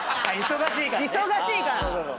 忙しいから。